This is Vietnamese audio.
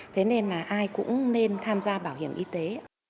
thế nên là ai cũng nên tham gia bảo hiểm y tế